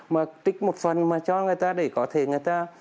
mà tích một phần mà cho người ta để có thể người ta